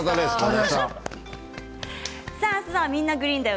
明日は「みんな！グリーンだよ」